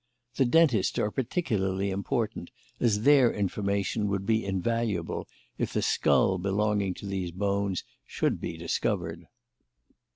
The dentists are particularly important, as their information would be invaluable if the skull belonging to these bones should be discovered."